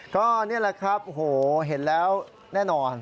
ก็นี่แหละครับโอ้โหเห็นแล้วแน่นอน